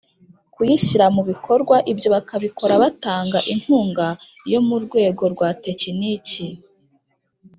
Kuyishyira mu bikorwa ibyo bakabikora batanga inkunga yo mu rwego rwa tekiniki